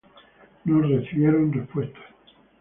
No recibieron respuesta.